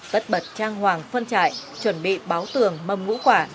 tất bật trang hoàng phân trại chuẩn bị báo tường mâm ngũ quả